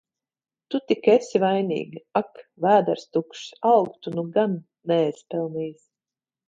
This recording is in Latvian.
Tu tik esi vainīga! Ak! Vēders tukšs! Algu tu nu gan neesi pelnījis.